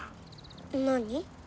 何？